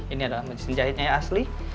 ini adalah mesin jahitnya yang asli